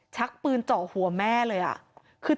กังฟูเปล่าใหญ่มา